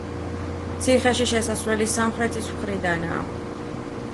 ციხეში შესასვლელი სამხრეთის მხრიდანაა.